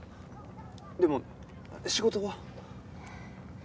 でも仕事は？